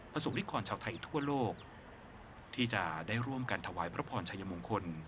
สงนิกรชาวไทยทั่วโลกที่จะได้ร่วมกันถวายพระพรชัยมงคล